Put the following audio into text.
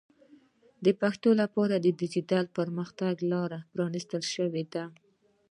د پښتو لپاره د ډیجیټل پرمختګ لاره پرانیستل شوې ده.